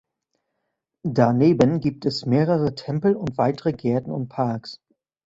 Daneben gibt es mehrere Tempel und weitere Gärten und Parks.